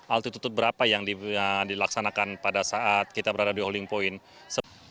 altitutut berapa yang dilaksanakan pada saat kita berada di holding point